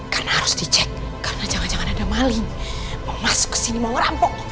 karena harus dicek karena jangan jangan ada maling mau masuk kesini mau merampok